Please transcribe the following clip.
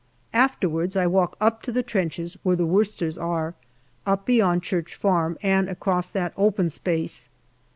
Afterwards I walk up to the trenches where the Worcesters are, up beyond Church Farm, and across that open space.